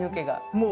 もう！